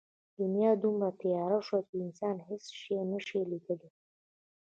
دنیا دومره تیاره شوه چې انسان هېڅ شی نه لیدل.